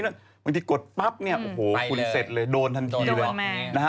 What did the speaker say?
บางทีกดปั๊บคุณเสร็จเลยโดนทันทีเลย